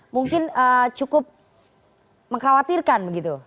mungkin cukup mengkhawatirkan